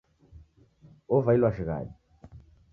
Wovailwa shighadi.